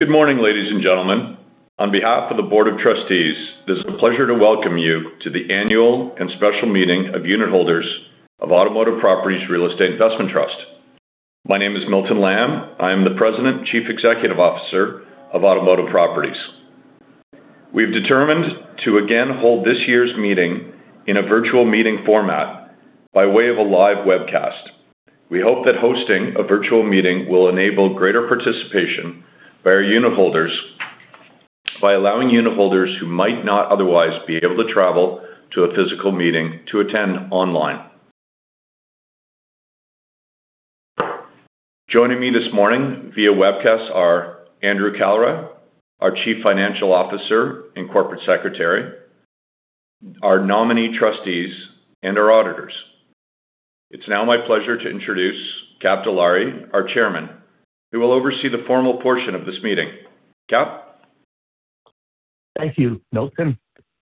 Good morning, ladies and gentlemen. On behalf of the Board of Trustees, it is a pleasure to welcome you to the annual and special meeting of unitholders of Automotive Properties Real Estate Investment Trust. My name is Milton Lamb. I am the President and Chief Executive Officer of Automotive Properties. We've determined to again hold this year's meeting in a virtual meeting format by way of a live webcast. We hope that hosting a virtual meeting will enable greater participation by our unitholders by allowing unitholders who might not otherwise be able to travel to a physical meeting to attend online. Joining me this morning via webcast are Andrew Kalra, our Chief Financial Officer and Corporate Secretary, our nominee trustees, and our auditors. It's now my pleasure to introduce Kap Dilawri, our Chairman, who will oversee the formal portion of this meeting. Kap? Thank you, Milton.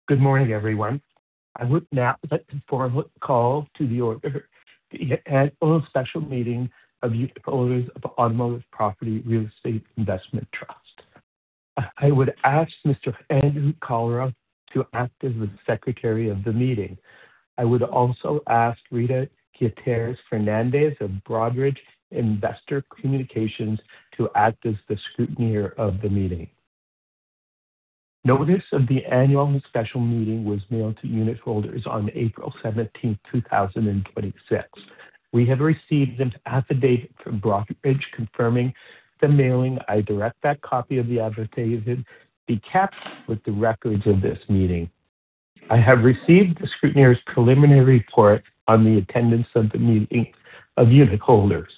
Good morning, everyone. I would now like to formally call to order the annual and special meeting of unitholders of Automotive Properties Real Estate Investment Trust. I would ask Mr. Andrew Kalra to act as the secretary of the meeting. I would also ask Rita Gutierrez-Fernandez of Broadridge Investor Communications to act as the scrutineer of the meeting. Notice of the annual and special meeting was mailed to unitholders on April 17, 2026. We have received an affidavit from Broadridge confirming the mailing. I direct that copy of the affidavit be kept with the records of this meeting. I have received the scrutineer's preliminary report on the attendance of the meeting of unitholders.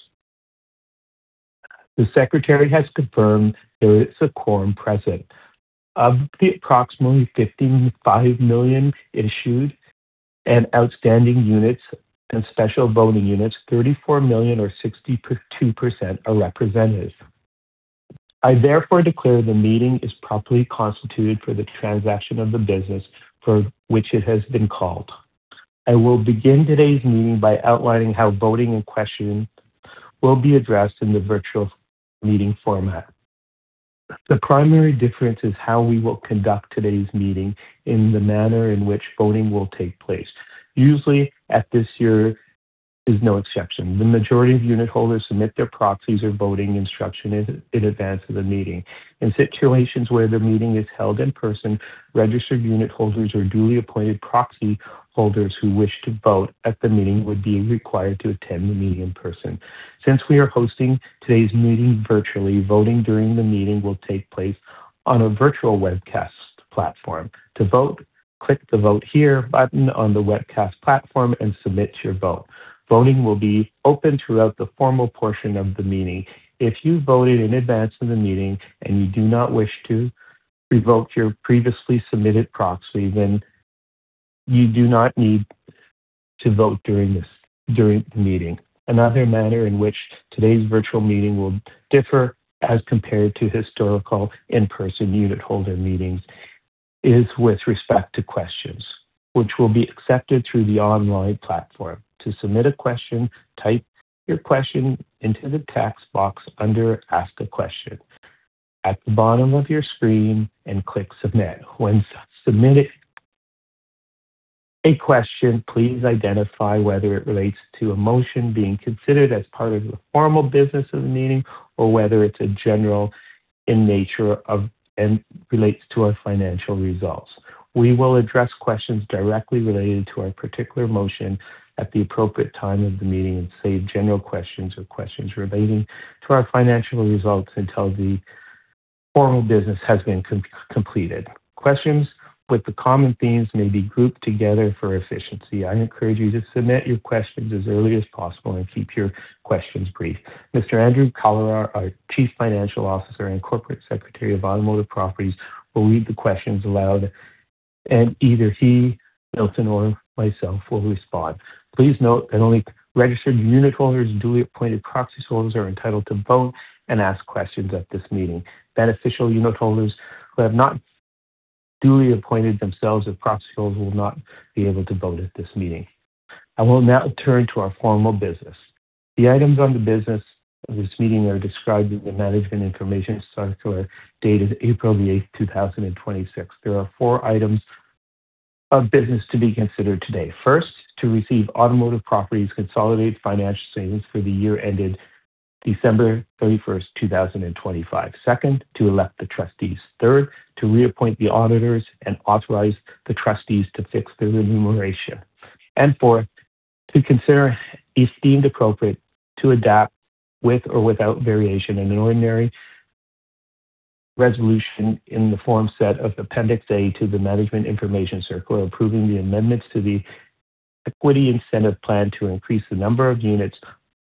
The secretary has confirmed there is a quorum present. Of the approximately 55 million issued and outstanding Units and Special Voting Units, 34 million or 62% are represented. I therefore declare the meeting is properly constituted for the transaction of the business for which it has been called. I will begin today's meeting by outlining how voting and questioning will be addressed in the virtual meeting format. The primary difference is how we will conduct today's meeting in the manner in which voting will take place. Usually, this year is no exception, the majority of unitholders submit their proxies or voting instruction in advance of the meeting. In situations where the meeting is held in person, registered unitholders or duly appointed proxyholders who wish to vote at the meeting would be required to attend the meeting in person. Since we are hosting today's meeting virtually, voting during the meeting will take place on a virtual webcast platform. To vote, click the Vote Here button on the webcast platform and submit your vote. Voting will be open throughout the formal portion of the meeting. If you voted in advance of the meeting and you do not wish to revoke your previously submitted proxy, you do not need to vote during the meeting. Another manner in which today's virtual meeting will differ as compared to historical in-person unitholder meetings is with respect to questions, which will be accepted through the online platform. To submit a question, type your question into the text box under Ask a Question at the bottom of your screen and click Submit. When submitting a question, please identify whether it relates to a motion being considered as part of the formal business of the meeting or whether it's general in nature and relates to our financial results. We will address questions directly related to a particular motion at the appropriate time of the meeting and save general questions or questions relating to our financial results until the formal business has been completed. Questions with the common themes may be grouped together for efficiency. I encourage you to submit your questions as early as possible and keep your questions brief. Mr. Andrew Kalra, our Chief Financial Officer and Corporate Secretary of Automotive Properties, will read the questions aloud, and either he, Milton, or myself will respond. Please note that only registered unitholders and duly appointed proxyholders are entitled to vote and ask questions at this meeting. Beneficial unitholders who have not duly appointed themselves as proxyholders will not be able to vote at this meeting. I will now turn to our formal business. The items on the business of this meeting are described in the Management Information Circular dated April the 8th, 2026. There are four items of business to be considered today. First, to receive Automotive Properties consolidated financial statements for the year ended December 31st, 2025. Second, to elect the trustees. Third, to reappoint the auditors and authorize the trustees to fix their remuneration. Fourth, to consider, if deemed appropriate, to adopt, with or without variation and an ordinary resolution in the form set of Appendix A to the Management Information Circular, approving the amendments to the equity incentive plan to increase the number of units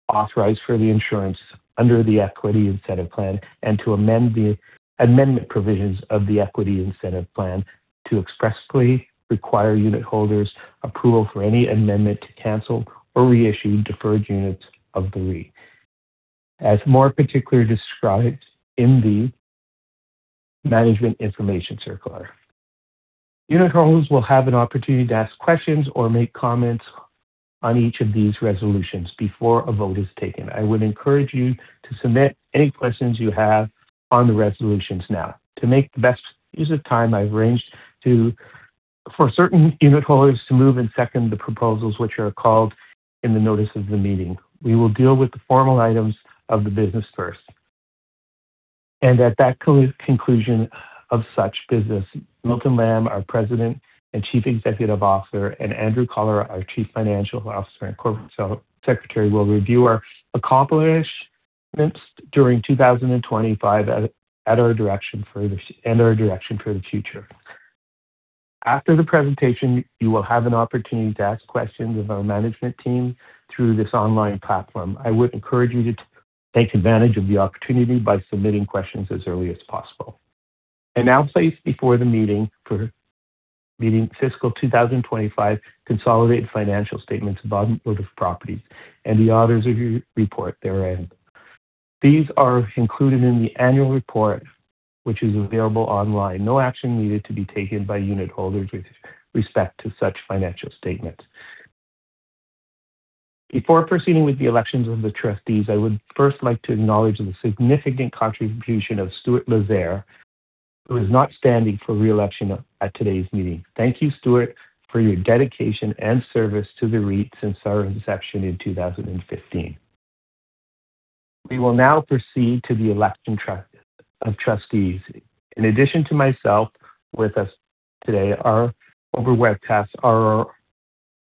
authorized for the issuance under the equity incentive plan, and to amend the amendment provisions of the equity incentive plan to expressly require unitholders' approval for any amendment to cancel or reissue deferred units of the REIT as more particularly described in the Management Information Circular. Unitholders will have an opportunity to ask questions or make comments on each of these resolutions before a vote is taken. I would encourage you to submit any questions you have on the resolutions now. To make the best use of time, I've arranged for certain unitholders to move and second the proposals which are called in the notice of the meeting. We will deal with the formal items of the business first. At that conclusion of such business, Milton Lamb, our President and Chief Executive Officer, and Andrew Kalra, our Chief Financial Officer and Corporate Secretary, will review our accomplishments during 2025 and our direction for the future. After the presentation, you will have an opportunity to ask questions of our management team through this online platform. I would encourage you to take advantage of the opportunity by submitting questions as early as possible. Now placed before the meeting fiscal 2025 consolidated financial statements of Automotive Properties and the auditor's report therein. These are included in the annual report, which is available online. No action needed to be taken by unitholders with respect to such financial statements. Before proceeding with the elections of the trustees, I would first like to acknowledge the significant contribution of Stuart Lazier, who is not standing for re-election at today's meeting. Thank you, Stuart, for your dedication and service to the REIT since our inception in 2015. We will now proceed to the election of trustees. In addition to myself, with us today are, over webcast,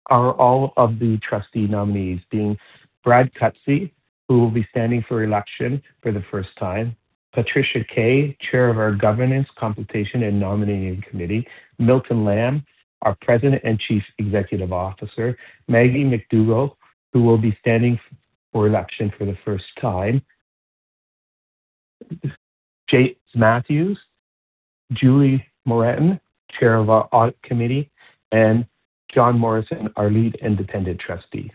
all of the trustee nominees being Brad Cutsey, who will be standing for election for the first time, Patricia Kay, Chair of our Governance, Compensation and Nominating Committee, Milton Lamb, our President and Chief Executive Officer, Maggie MacDougall, who will be standing for election for the first time, James Matthews, Julie Morin, Chair of our Audit Committee, and John Morrison, our Lead Independent Trustee.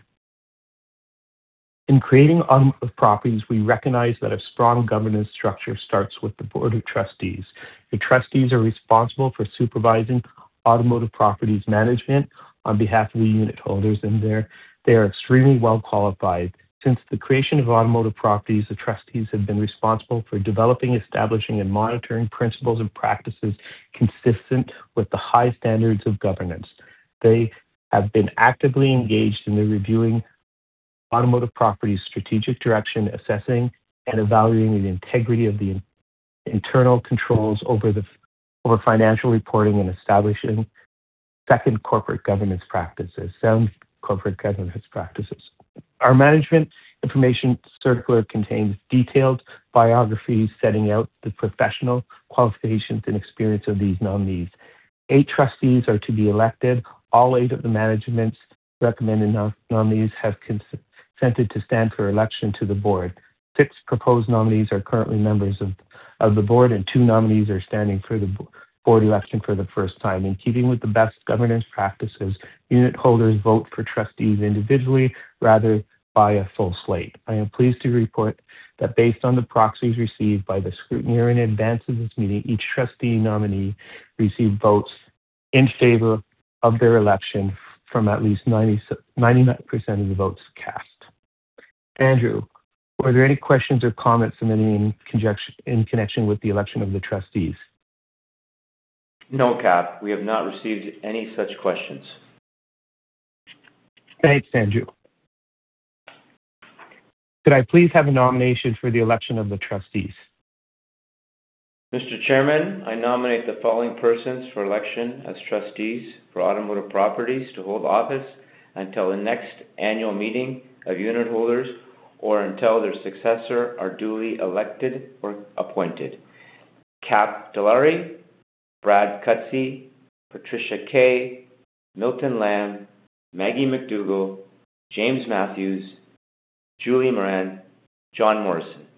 In creating Automotive Properties, we recognize that a strong governance structure starts with the Board of Trustees. The trustees are responsible for supervising Automotive Properties' management on behalf of the unitholders, and they are extremely well qualified. Since the creation of Automotive Properties, the trustees have been responsible for developing, establishing, and monitoring principles and practices consistent with the high standards of governance. They have been actively engaged in the reviewing Automotive Properties' strategic direction, assessing and evaluating the integrity of the internal controls over financial reporting, and establishing sound corporate governance practices. Our Management Information Circular contains detailed biographies setting out the professional qualifications and experience of these nominees. Eight trustees are to be elected. All eight of the management's recommended nominees have consented to stand for election to the board. Six proposed nominees are currently members of the board, and two nominees are standing for the board election for the first time. In keeping with the best governance practices, unitholders vote for trustees individually rather by a full slate. I am pleased to report that based on the proxies received by the scrutineer in advance of this meeting, each trustee nominee received votes in favor of their election from at least 99% of the votes cast. Andrew Kalra, were there any questions or comments submitted in connection with the election of the trustees? No, Kap. We have not received any such questions. Thanks, Andrew. Could I please have a nomination for the election of the trustees? Mr. Chairman, I nominate the following persons for election as trustees for Automotive Properties to hold office until the next annual meeting of unitholders or until their successors are duly elected or appointed. Kap Dilawri, Brad Cutsey, Patricia Kay, Milton Lamb, Maggie MacDougall, James Matthews, Julie Morin, John Morrison.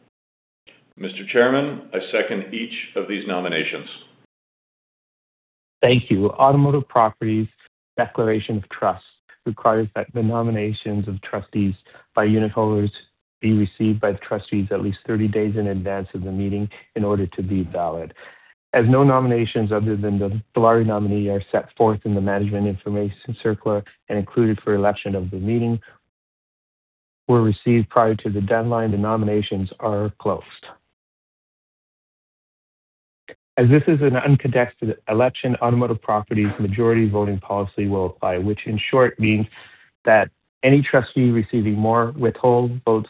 Mr. Chairman, I second each of these nominations. Thank you. Automotive Properties' Declaration of Trust requires that the nominations of trustees by unitholders be received by the trustees at least 30 days in advance of the meeting in order to be valid. As no nominations other than the Dilawri nominee are set forth in the Management Information Circular and included for election of the meeting were received prior to the deadline, the nominations are closed. As this is an uncontested election, Automotive Properties' Majority Voting Policy will apply, which in short means that any trustee receiving more withhold votes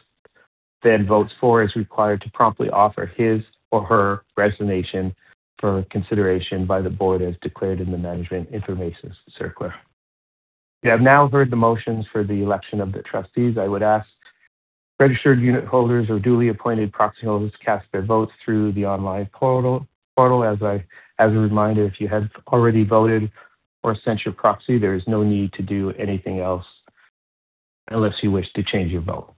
than votes for is required to promptly offer his or her resignation for consideration by the board as declared in the Management Information Circular. We have now heard the motions for the election of the trustees. I would ask registered unitholders or duly appointed proxyholders to cast their votes through the online portal. As a reminder, if you have already voted or sent your proxy, there is no need to do anything else unless you wish to change your vote.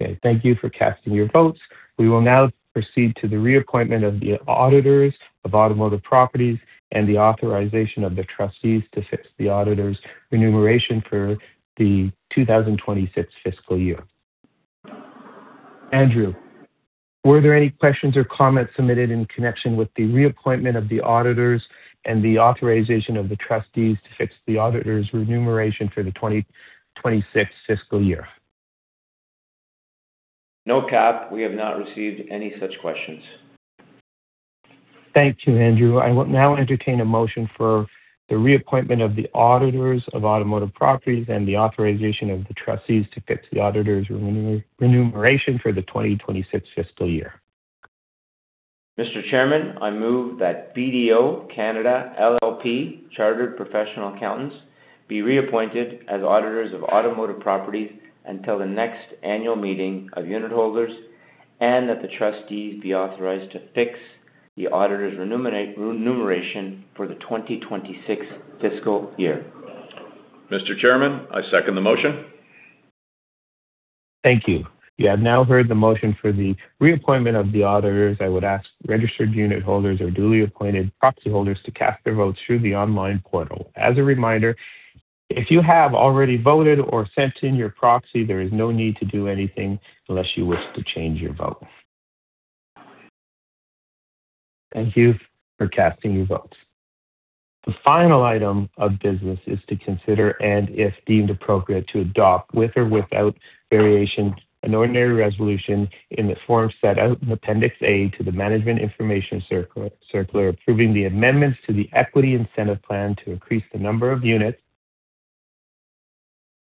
Okay. Thank you for casting your votes. We will now proceed to the reappointment of the auditors of Automotive Properties and the authorization of the trustees to fix the auditors' remuneration for the 2026 fiscal year. Andrew, were there any questions or comments submitted in connection with the reappointment of the auditors and the authorization of the trustees to fix the auditors' remuneration for the 2026 fiscal year? No, Kap. We have not received any such questions. Thank you, Andrew. I will now entertain a motion for the reappointment of the auditors of Automotive Properties and the authorization of the trustees to fix the auditors' remuneration for the 2026 fiscal year. Mr. Chairman, I move that BDO Canada LLP, Chartered Professional Accountants be reappointed as auditors of Automotive Properties until the next annual meeting of unitholders and that the trustees be authorized to fix the auditors' remuneration for the 2026 fiscal year. Mr. Chairman, I second the motion. Thank you. You have now heard the motion for the reappointment of the auditors. I would ask registered unitholders or duly appointed proxyholders to cast their votes through the online portal. As a reminder, if you have already voted or sent in your proxy, there is no need to do anything unless you wish to change your vote. Thank you for casting your votes. The final item of business is to consider, and if deemed appropriate, to adopt, with or without variation, an ordinary resolution in the form set out in Appendix A to the Management Information Circular approving the amendments to the Equity Incentive Plan to increase the number of units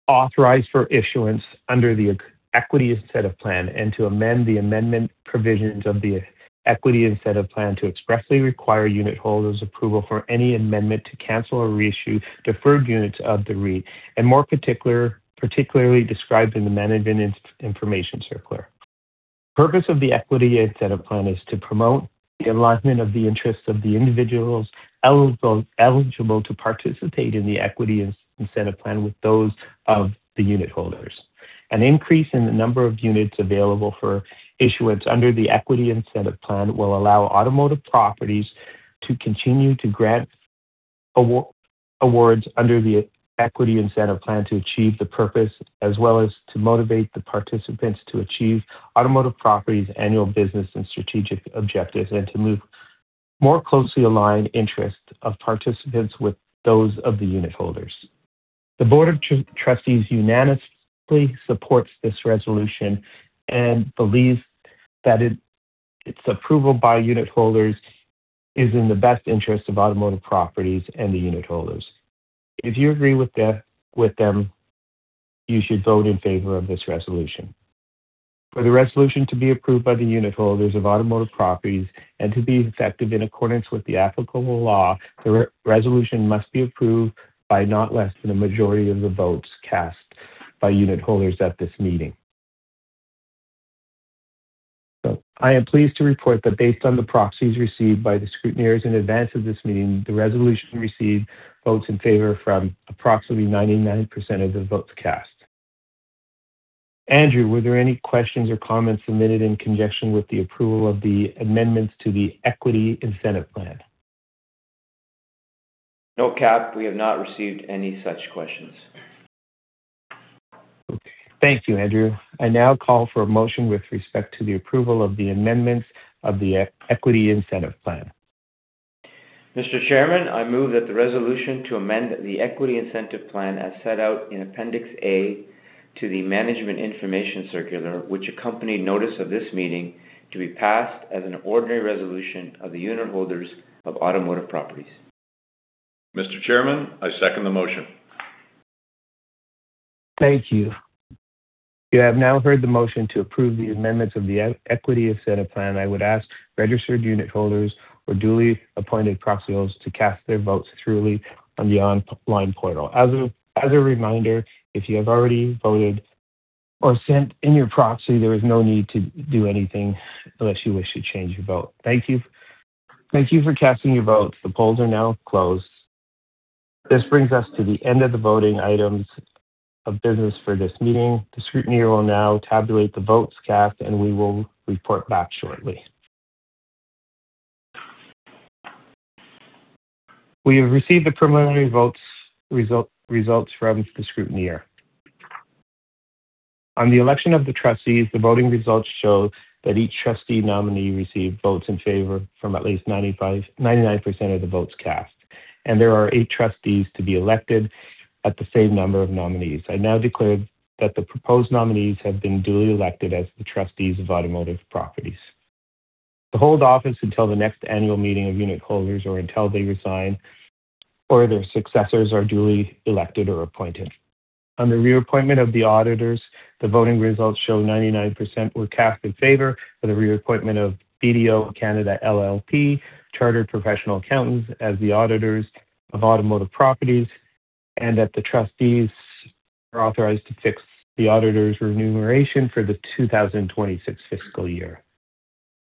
authorized for issuance under the Equity Incentive Plan, and to amend the amendment provisions of the Equity Incentive Plan to expressly require unitholders' approval for any amendment to cancel or reissue deferred units of the REIT, and more particularly described in the Management Information Circular. The purpose of the Equity Incentive Plan is to promote the alignment of the interests of the individuals eligible to participate in the Equity Incentive Plan with those of the unitholders. An increase in the number of units available for issuance under the Equity Incentive Plan will allow Automotive Properties to continue to grant awards under the Equity Incentive Plan to achieve the purpose, as well as to motivate the participants to achieve Automotive Properties' annual business and strategic objectives and to more closely align interests of participants with those of the unitholders. The Board of Trustees unanimously supports this resolution and believes that its approval by unitholders is in the best interest of Automotive Properties and the unitholders. If you agree with them, you should vote in favor of this resolution. For the resolution to be approved by the unitholders of Automotive Properties and to be effective in accordance with the applicable law, the resolution must be approved by not less than a majority of the votes cast by unitholders at this meeting. I am pleased to report that based on the proxies received by the scrutineers in advance of this meeting, the resolution received votes in favor from approximately 99% of the votes cast. Andrew, were there any questions or comments submitted in conjunction with the approval of the amendments to the Equity Incentive Plan? No, Kap. We have not received any such questions. Thank you, Andrew. I now call for a motion with respect to the approval of the amendments of the Equity Incentive Plan. Mr. Chairman, I move that the resolution to amend the Equity Incentive Plan as set out in Appendix A to the Management Information Circular, which accompanied notice of this meeting, to be passed as an ordinary resolution of the unitholders of Automotive Properties. Mr. Chairman, I second the motion. Thank you. You have now heard the motion to approve the amendments of the Equity Incentive Plan. I would ask registered unitholders or duly appointed proxyholders to cast their votes through the online portal. As a reminder, if you have already voted or sent in your proxy, there is no need to do anything unless you wish to change your vote. Thank you for casting your votes. The polls are now closed. This brings us to the end of the voting items of business for this meeting. The scrutineer will now tabulate the votes cast, and we will report back shortly. We have received the preliminary results from the scrutineer. On the election of the trustees, the voting results show that each trustee nominee received votes in favor from at least 99% of the votes cast, and there are eight trustees to be elected at the same number of nominees. I now declare that the proposed nominees have been duly elected as the trustees of Automotive Properties Real Estate Investment Trust to hold office until the next annual meeting of unitholders or until they resign or their successors are duly elected or appointed. On the reappointment of the auditors, the voting results show 99% were cast in favor for the reappointment of BDO Canada LLP, Chartered Professional Accountants as the auditors of Automotive Properties Real Estate Investment Trust, and that the trustees are authorized to fix the auditors' remuneration for the 2026 fiscal year.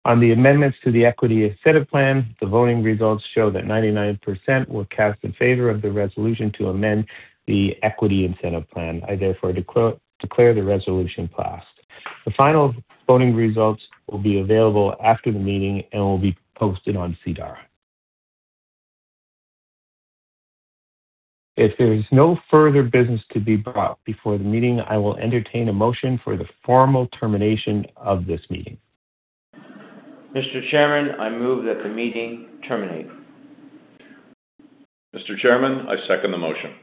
On the amendments to the Equity Incentive Plan, the voting results show that 99% were cast in favor of the resolution to amend the Equity Incentive Plan. I therefore declare the resolution passed. The final voting results will be available after the meeting and will be posted on SEDAR. If there is no further business to be brought before the meeting, I will entertain a motion for the formal termination of this meeting. Mr. Chairman, I move that the meeting terminate. Mr. Chairman, I second the motion.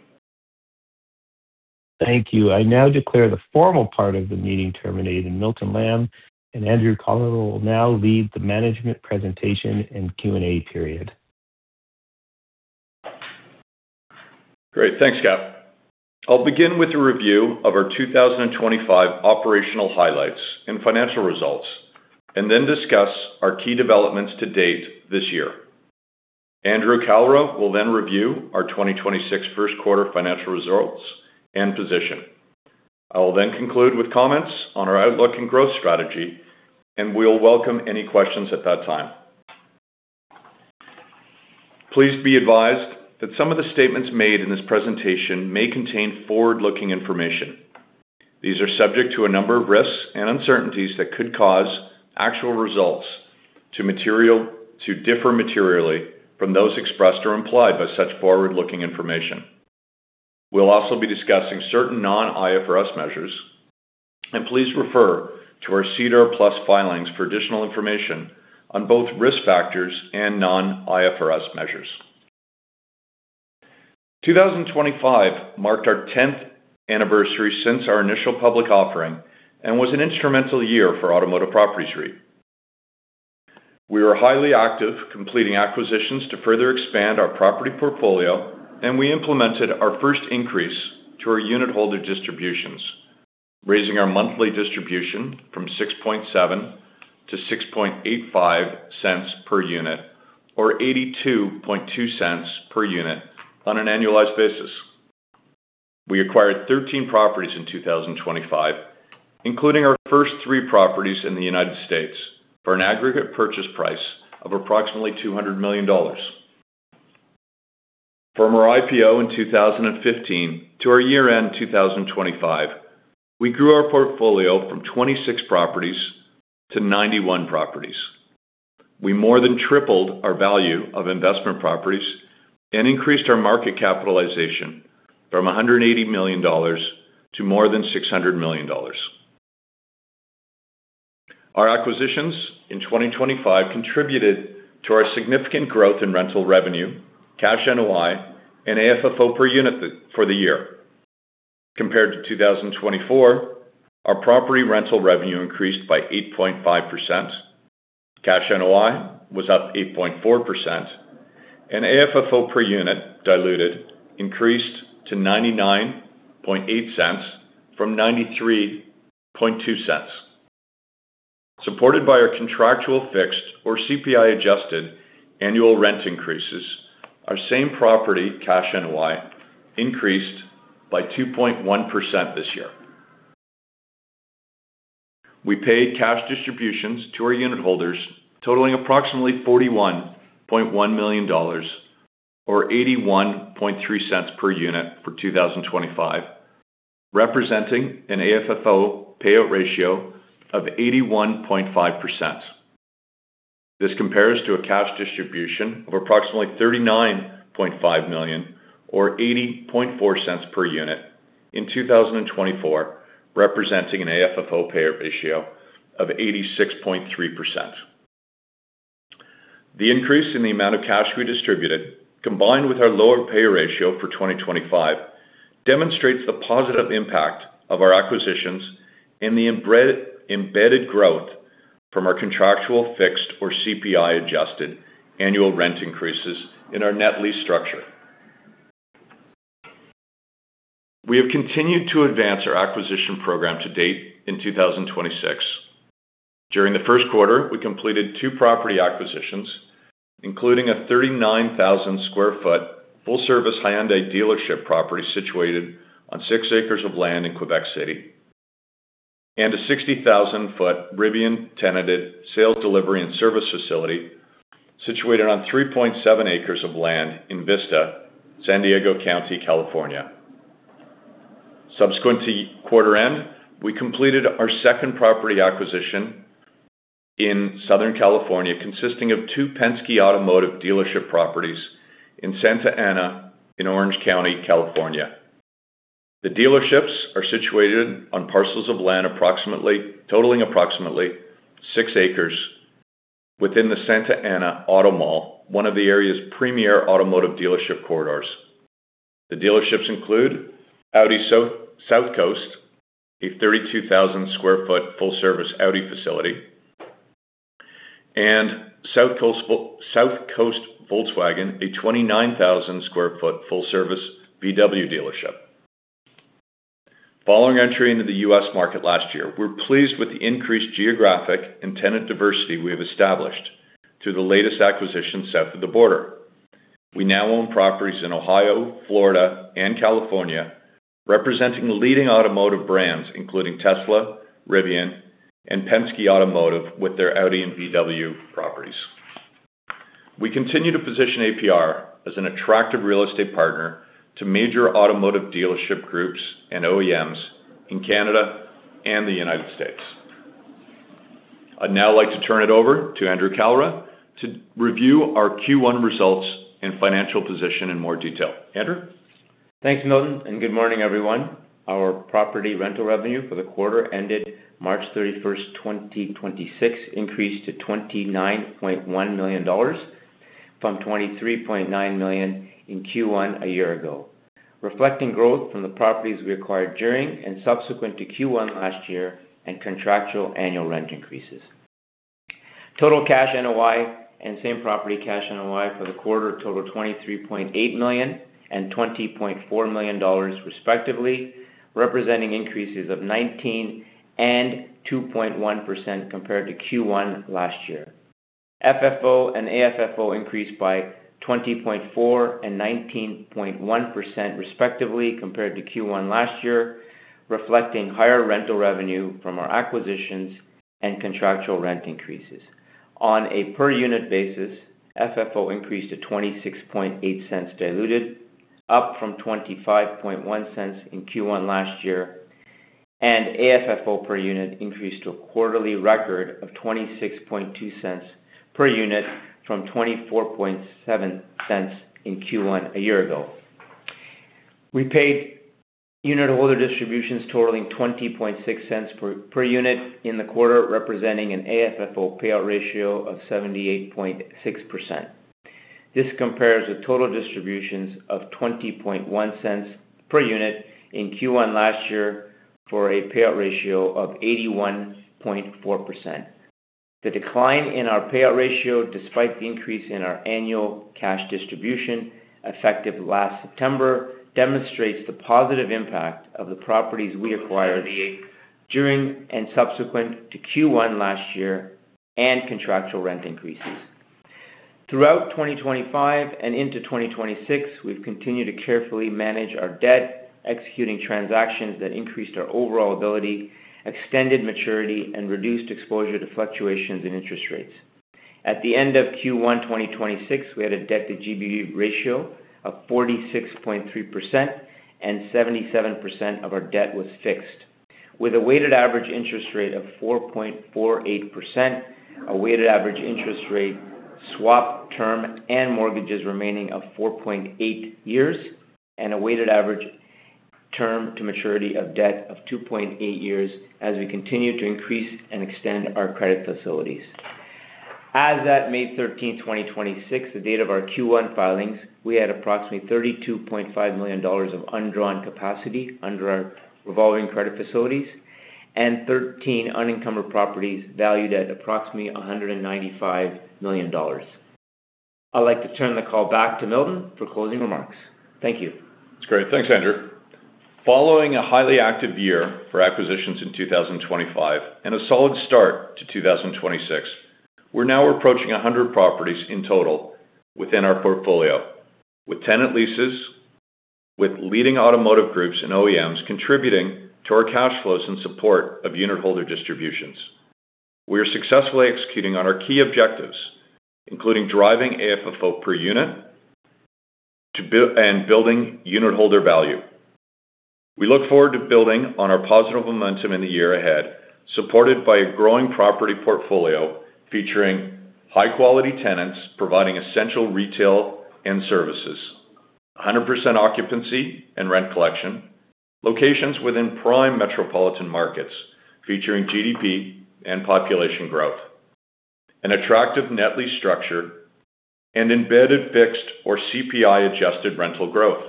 Thank you. I now declare the formal part of the meeting terminated, and Milton Lamb and Andrew Kalra will now lead the management presentation and Q&A period. Great. Thanks, Kap Dilawri. I'll begin with a review of our 2025 operational highlights and financial results, and then discuss our key developments to date this year. Andrew Kalra will then review our 2026 first quarter financial results and position. I will then conclude with comments on our outlook and growth strategy, and we'll welcome any questions at that time. Please be advised that some of the statements made in this presentation may contain forward-looking information. These are subject to a number of risks and uncertainties that could cause actual results to differ materially from those expressed or implied by such forward-looking information. We'll also be discussing certain non-IFRS measures, and please refer to our SEDAR+ filings for additional information on both risk factors and non-IFRS measures. 2025 marked our 10th anniversary since our initial public offering and was an instrumental year for Automotive Properties REIT. We were highly active, completing acquisitions to further expand our property portfolio, and we implemented our first increase to our unitholder distributions, raising our monthly distribution from 0.067-0.0685 per unit, or 0.822 per unit on an annualized basis. We acquired 13 properties in 2025, including our first three properties in the United States, for an aggregate purchase price of approximately 200 million dollars. From our IPO in 2015 to our year-end 2025, we grew our portfolio from 26 properties to 91 properties. We more than tripled our value of investment properties and increased our market capitalization from 180 million dollars to more than 600 million dollars. Our acquisitions in 2025 contributed to our significant growth in rental revenue, cash NOI, and AFFO per unit for the year. Compared to 2024, our property rental revenue increased by 8.5%, cash NOI was up 8.4%, and AFFO per unit diluted increased to 0.998 from 0.932. Supported by our contractual fixed or CPI-adjusted annual rent increases, our Same Property Cash NOI increased by 2.1% this year. We paid cash distributions to our unitholders totaling approximately 41.1 million dollars or 0.813 per unit for 2025, representing an AFFO payout ratio of 81.5%. This compares to a cash distribution of approximately 39.5 million or 0.804 per unit in 2024, representing an AFFO payout ratio of 86.3%. The increase in the amount of cash we distributed, combined with our lower payout ratio for 2025, demonstrates the positive impact of our acquisitions and the embedded growth from our contractual fixed or CPI-adjusted annual rent increases in our net lease structure. We have continued to advance our acquisition program to date in 2026. During the first quarter, we completed two property acquisitions, including a 39,000 sq ft full-service Hyundai dealership property situated on six acres of land in Quebec City, and a 60,000 sq ft Rivian-tenanted sales delivery and service facility situated on 3.7 acres of land in Vista, San Diego County, California. Subsequent to quarter end, we completed our second property acquisition in Southern California, consisting of two Penske Automotive dealership properties in Santa Ana in Orange County, California. The dealerships are situated on parcels of land totaling approximately six acres within the Santa Ana Auto Mall, one of the area's premier automotive dealership corridors. The dealerships include Audi South Coast, a 32,000 sq ft full-service Audi facility, and Volkswagen South Coast, a 29,000 sq ft full-service VW dealership. Following entry into the U.S. market last year, we're pleased with the increased geographic and tenant diversity we have established through the latest acquisition south of the border. We now own properties in Ohio, Florida, and California, representing leading automotive brands, including Tesla, Rivian, and Penske Automotive with their Audi and VW properties. We continue to position APR as an attractive real estate partner to major automotive dealership groups and OEMs in Canada and the United States. I'd now like to turn it over to Andrew Kalra to review our Q1 results and financial position in more detail. Andrew? Thanks, Milton. Good morning, everyone. Our property rental revenue for the quarter ended March 31st, 2026, increased to 29.1 million dollars from 23.9 million in Q1 a year ago, reflecting growth from the properties we acquired during and subsequent to Q1 last year and contractual annual rent increases. Total cash NOI and Same Property Cash NOI for the quarter totaled 23.8 million and 20.4 million dollars, respectively, representing increases of 19% and 2.1% compared to Q1 last year. FFO and AFFO increased by 20.4% and 19.1% respectively compared to Q1 last year, reflecting higher rental revenue from our acquisitions and contractual rent increases. On a per unit basis, FFO increased to 0.268 diluted, up from 0.251 in Q1 last year, and AFFO per unit increased to a quarterly record of 0.262 per unit from 0.247 in Q1 a year ago. We paid unitholder distributions totaling 0.206 per unit in the quarter, representing an AFFO payout ratio of 78.6%. This compares with total distributions of 0.201 per unit in Q1 last year for a payout ratio of 81.4%. The decline in our payout ratio, despite the increase in our annual cash distribution effective last September, demonstrates the positive impact of the properties we acquired during and subsequent to Q1 last year and contractual rent increases. Throughout 2025 and into 2026, we've continued to carefully manage our debt, executing transactions that increased our overall ability, extended maturity, and reduced exposure to fluctuations in interest rates. At the end of Q1 2026, we had a debt-to-GBV ratio of 46.3%, and 77% of our debt was fixed, with a weighted average interest rate of 4.48%, a weighted average interest rate swap term and mortgages remaining of 4.8 years, and a weighted average term to maturity of debt of 2.8 years as we continue to increase and extend our credit facilities. As at May 13th, 2026, the date of our Q1 filings, we had approximately 32.5 million dollars of undrawn capacity under our revolving credit facilities and 13 unencumbered properties valued at approximately 195 million dollars. I'd like to turn the call back to Milton for closing remarks. Thank you. That's great. Thanks, Andrew. Following a highly active year for acquisitions in 2025 and a solid start to 2026, we're now approaching 100 properties in total within our portfolio. With tenant leases, with leading automotive groups and OEMs contributing to our cash flows in support of unitholder distributions. We are successfully executing on our key objectives, including driving AFFO per unit, and building unitholder value. We look forward to building on our positive momentum in the year ahead, supported by a growing property portfolio featuring high-quality tenants providing essential retail and services, 100% occupancy and rent collection, locations within prime metropolitan markets featuring GDP and population growth, an attractive net lease structure, and embedded fixed or CPI-adjusted rental growth.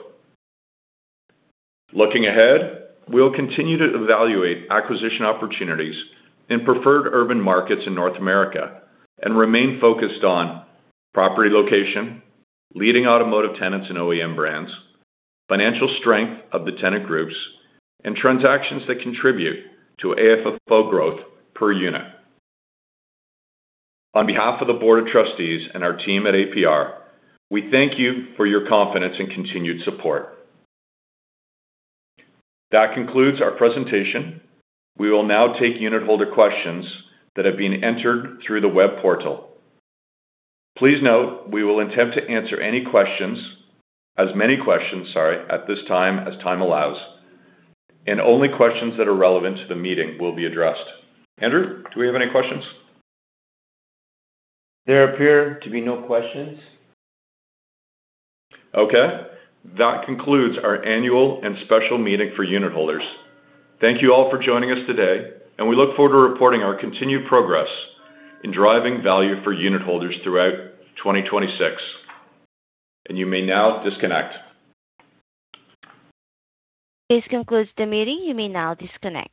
Looking ahead, we'll continue to evaluate acquisition opportunities in preferred urban markets in North America and remain focused on property location, leading automotive tenants and OEM brands, financial strength of the tenant groups, and transactions that contribute to AFFO growth per unit. On behalf of the Board of Trustees and our team at APR.UN, we thank you for your confidence and continued support. That concludes our presentation. We will now take unitholder questions that have been entered through the web portal. Please note we will attempt to answer as many questions at this time as time allows. Only questions that are relevant to the meeting will be addressed. Andrew, do we have any questions? There appear to be no questions. Okay. That concludes our annual and special meeting for unitholders. Thank you all for joining us today, and we look forward to reporting our continued progress in driving value for unitholders throughout 2026. You may now disconnect. This concludes the meeting. You may now disconnect.